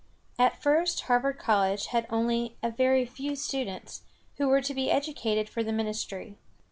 At first, Harvard College had only a very few students, who were to be educated for the ministry.